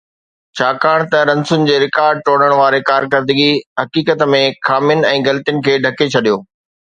ڇاڪاڻ ته رنسن جي رڪارڊ ٽوڙڻ واري ڪارڪردگي حقيقت ۾ خامين ۽ غلطين کي ڍڪي ڇڏيو